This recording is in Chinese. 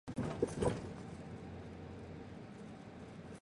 书院东侧有网球场。